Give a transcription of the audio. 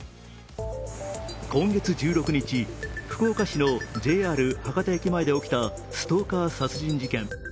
今月１６日、福岡市のＪＲ博多駅前の路上で起きたストーカー殺人事件。